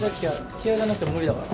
気合がなくちゃ無理だから。